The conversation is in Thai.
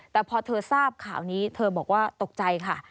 แต่พอเธอทราบข่าวนี้เธอบอกว่าตกใจค่ะ